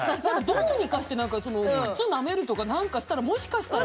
どうにかして何か靴なめるとか何かしたらもしかしたら。